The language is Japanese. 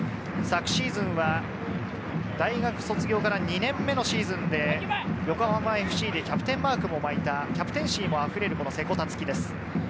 昨シーズンは大学卒業から２年目のシーズンで横浜ＦＣでキャプテンマークも巻いたキャプテンシーもあふれる瀬古樹です。